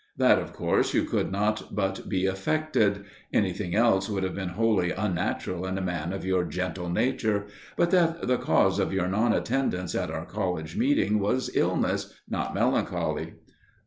That of course you could not but be affected anything else would have been wholly unnatural in a man of your gentle nature but that the cause of your non attendance at our college meeting was illness, not melancholy.